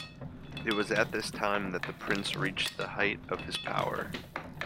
It was at this time that the prince reached the height of his power.